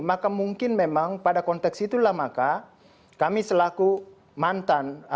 maka mungkin memang pada konteks itulah maka kami selaku mantan